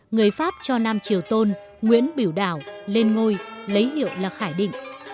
người pháp cho nam triều tôn nguyễn biểu đảo lên ngôi lấy hiệu là khải định